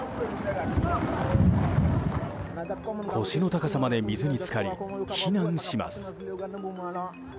腰の高さまで水に浸かり避難します。